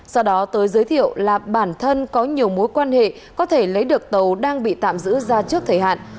sau đó tới giới thiệu là bản thân có nhiều mối quan hệ có thể lấy được tàu đang bị tạm giữ ra trước thời hạn